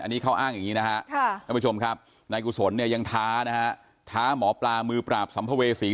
อันนี้เขาอ้างอย่างนี้นะฮะท่านผู้ชมครับนายกุศลเนี่ยยังท้านะฮะท้าหมอปลามือปราบสัมภเวษี